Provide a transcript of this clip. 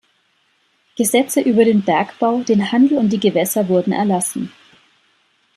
Gesetze über den Bergbau, den Handel und die Gewässer wurden erlassen.